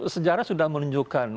sejarah sudah menunjukkan